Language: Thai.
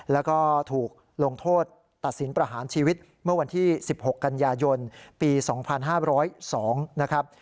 แล้วก็ถูกลงโทษตัดสินประหารชีวิตเมื่อวันที่๑๖กันยายนปี๒๕๐๒นะครับ